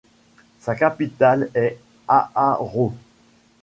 Sa capitale est Aarau.